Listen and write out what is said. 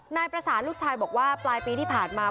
นายประสานลูกชายบอกว่าปลายปีที่ผ่านมา